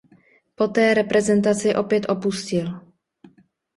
Poté reprezentaci opět opustil.